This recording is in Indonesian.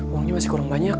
uangnya masih kurang banyak